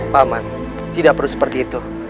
paman tidak perlu seperti itu